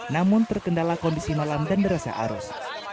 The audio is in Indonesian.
namun terkendala kondisi malam dan derasnya arus